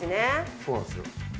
そうなんですよ。